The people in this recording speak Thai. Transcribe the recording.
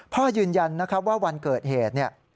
พ่อยืนยันว่าวันเกิดเหตุ